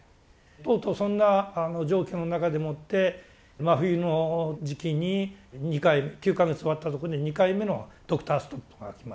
とうとうそんな状況の中でもって冬の時期に２回目９か月終わったとこで２回目のドクターストップがきまして。